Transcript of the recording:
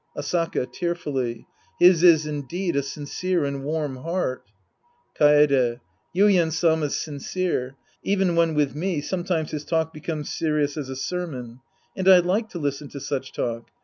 Asaka {tearfully). His is indeed a sincere and warm heart. Kaede. Yuien Sama's sincere. Even when with me, sometimes his talk becomes serious as a sermon_ And I like to listen to such talk.